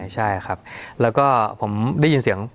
ใช่ครับแล้วก็ผมได้ยินเสียง